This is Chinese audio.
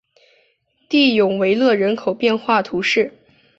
蒂永维勒人口变化图示